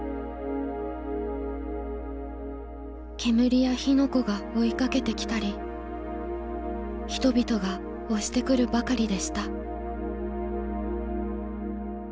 「煙や火の子がおひかけて来たり人々がおして来るばかりでした」。